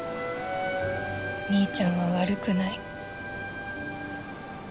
みーちゃんは悪くない。